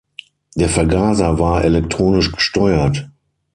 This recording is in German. Der Vergaser war elektronisch gesteuert.